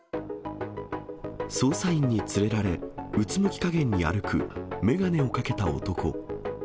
捜査員に連れられ、うつむきかげんに歩く、眼鏡をかけた男。